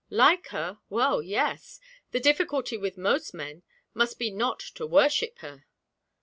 'Like her! well, yes. The difficulty with most men must be not to worship her.'